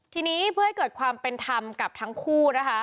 ทีนี้เพื่อให้เกิดความเป็นธรรมกับทั้งคู่นะคะ